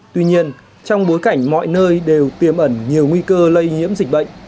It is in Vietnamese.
tuy nhiên trong bối cảnh mọi nơi đều tiềm ẩn nhiều nguy cơ lây nhiễm dịch bệnh